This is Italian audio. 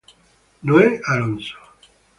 Noé Alonzo